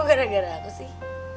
gara gara aku sih